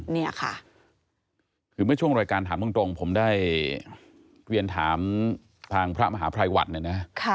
ในช่วงรายการถามตรงผมได้เวียนถามทางพระมหาภัยหวัน